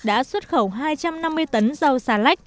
đã xuất khẩu hai trăm năm mươi tấn rau xà lách